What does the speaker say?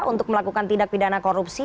untuk melakukan tindak pidana korupsi